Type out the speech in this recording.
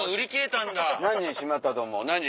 何時に閉まったと思う？